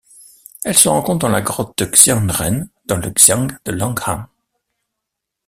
Elle se rencontre dans la grotte Xianren dans le xian de Long'an.